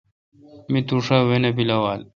مہ توشا وہ نہ پلاون۔